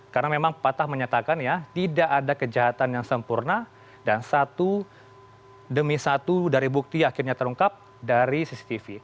karena memang patah menyatakan tidak ada kejahatan yang sempurna dan satu demi satu dari bukti akhirnya terungkap dari cctv